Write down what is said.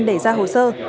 để ra hồ sơ